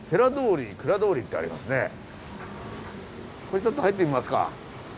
これちょっと入ってみますか。